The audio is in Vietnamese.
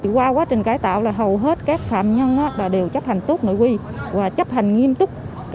qua quá trình cải tạo là hầu hết các phạm nhân đều chấp hành tốt nội quy và chấp hành nghiêm túc